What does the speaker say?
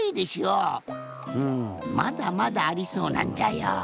うんまだまだありそうなんじゃよ。